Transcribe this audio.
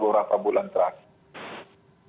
beberapa bulan terakhir